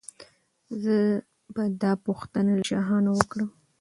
زه به دا پوښتنه له شاهانو وکړم.